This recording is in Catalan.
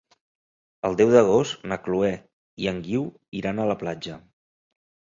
El deu d'agost na Chloé i en Guiu iran a la platja.